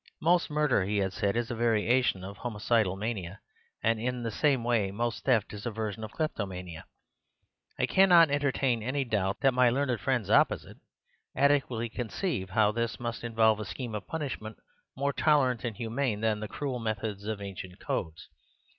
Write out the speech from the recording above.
"Most murder," he had said, "is a variation of homicidal mania, and in the same way most theft is a version of kleptomania. I cannot entertain any doubt that my learned friends opposite adequately con ceive how this must involve a scheme of punishment more tol'rant and humane than the cruel methods of ancient codes.